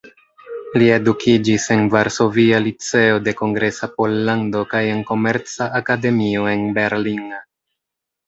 Li edukiĝis en Varsovia Liceo de Kongresa Pollando kaj en Komerca Akademio en Berlin.